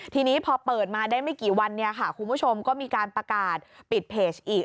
ทีนี้พอเปิดมาได้ไม่กี่วันเนี่ยค่ะคุณผู้ชมก็มีการประกาศปิดเพจอีก